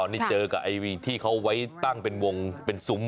นี่เจอกับไอ้ที่เขาไว้ตั้งเป็นวงเป็นซุ้ม